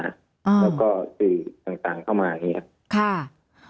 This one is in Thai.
แล้วก็สื่อต่างเข้ามาอย่างนี้ครับ